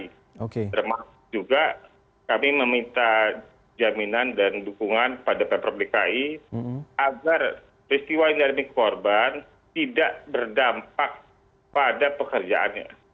termasuk juga kami meminta jaminan dan dukungan pada pemprov dki agar peristiwa intelimik korban tidak berdampak pada pekerjaannya